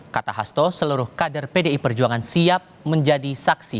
kata hasto seluruh kader pdi perjuangan siap menjadi saksi